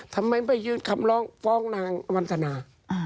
ทำไมไม่ยื่นคำร้องฟ้องนางวันธนา